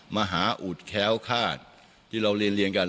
มหาอุดแค้วคาดที่เราเรียนเรียนกัน